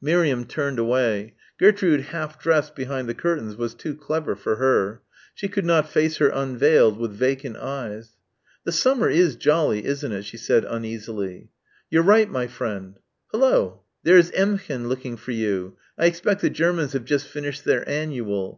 Miriam turned away. Gertrude half dressed behind the curtains was too clever for her. She could not face her unveiled with vacant eyes. "The summer is jolly, isn't it?" she said uneasily. "You're right, my friend. Hullo! There's Emmchen looking for you. I expect the Germans have just finished their annual.